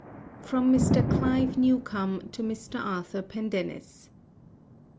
From Mr. Clive Newcome to Mr. Arthur Pendennis. Mr.